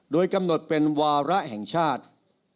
โดยกำหนดเป็นวาระแห่งชาติ